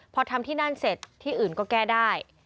พอทำที่นั่นเสร็จที่อื่นก็แก้ได้